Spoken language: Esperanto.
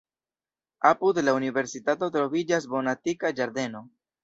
Apud la universitato troviĝas botanika ĝardeno.